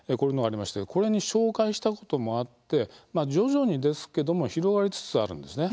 これに紹介したこともあって徐々にですけども広がりつつあるんです。